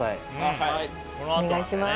はいお願いします